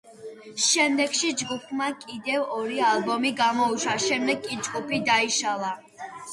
შემდეგში ჯგუფმა კიდევ ორი ალბომი გამოუშვა, შემდეგ კი ჯგუფი დაიშალა.